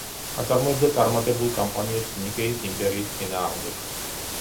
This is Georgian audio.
აწარმოებდა წარმატებულ კამპანიებს ნიკეის იმპერიის წინააღმდეგ.